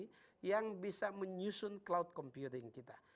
kita harus menyusun cloud computing kita